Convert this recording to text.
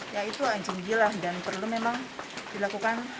ya itu anjing gilang dan perlu memang dilakukan